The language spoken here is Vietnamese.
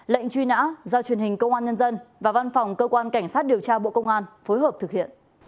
lệnh truy nã do truyền hình công an nhân dân và văn phòng cơ quan cảnh sát điều tra bộ công an phối hợp thực hiện